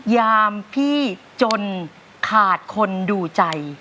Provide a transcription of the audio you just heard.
ยามพี่จนขาดคนดูใจ